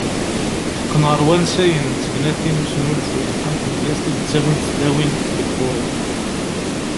Teqqen ɣer wansayen d tegnatin n usnulfu ,am tmedyazt i d -ttawint tlawin deg lfuruh.